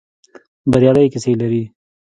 بریالۍ کيسې لري.